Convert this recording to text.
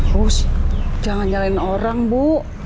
bus jangan jalanin orang bu